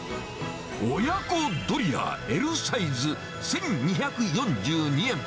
親子ドリアＬサイズ１２４２円。